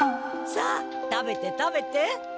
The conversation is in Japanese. さあ食べて食べて。